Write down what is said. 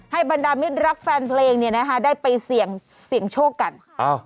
ให้บันดามิตรักแฟนเพลงเนี่ยนะคะได้ไปเสียงเสียงโชคกันอ้าว